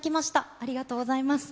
ありがとうございます。